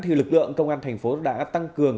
thì lực lượng công an thành phố đã tăng cường